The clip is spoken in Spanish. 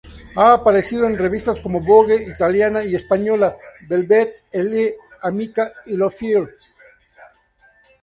Ha aparecido en revistas como "Vogue" italiana y española, "Velvet", "Elle", "Amica", y "L'Officiel".